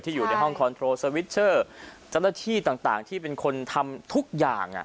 อยู่ในห้องคอนโทรสวิชเชอร์เจ้าหน้าที่ต่างที่เป็นคนทำทุกอย่าง